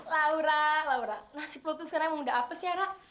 laura nasib lo tuh sekarang emang udah apa sih ra